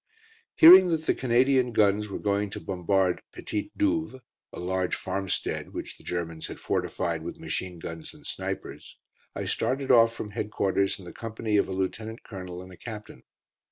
Hearing that the Canadian guns were going to bombard Petite Douve, a large farmstead which the Germans had fortified with machine guns and snipers, I started off from headquarters in the company of a lieutenant colonel and a captain.